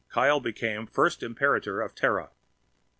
Kyle became First Imperator of Terra.